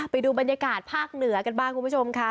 ไปดูบรรยากาศภาคเหนือกันบ้างคุณผู้ชมค่ะ